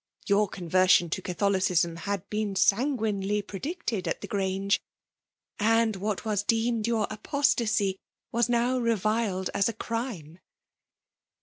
Your conver sion to Catholicism had been sanguinely pre* dieted at the Grange ; and what was deemed your apostacy, was now reviled as a crime.